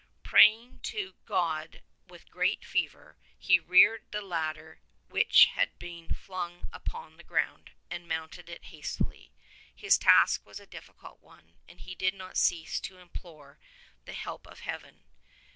Praying to God with great fervor he reared the ladder which had been flung upon the ground, and mounted it hastily. His task was a difficult one, and he did not cease to im plore the help of Heaven.